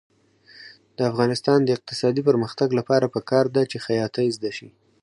د افغانستان د اقتصادي پرمختګ لپاره پکار ده چې خیاطۍ زده شي.